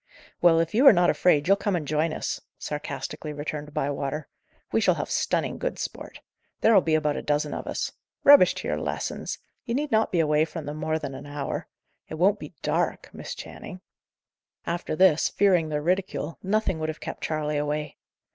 "Well, if you are not afraid, you'll come and join us," sarcastically returned Bywater. "We shall have stunning good sport. There'll be about a dozen of us. Rubbish to your lessons! you need not be away from them more than an hour. It won't be dark, Miss Channing." After this, fearing their ridicule, nothing would have kept Charley away.